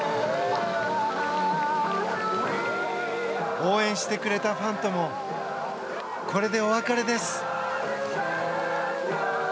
応援してくれたファンともこれでお別れです。